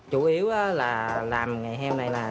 chủ yếu là làm nghề heo này là